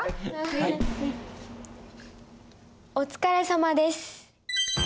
「おつかれさまです」。